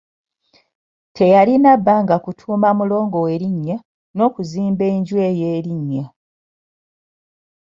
Teyalina bbanga kutuuma mulongo we linnya, n'okuzimbaenju ey'erinnya.